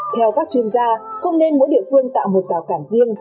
theo các chuyên gia không nên mỗi địa phương tạo một rào cản riêng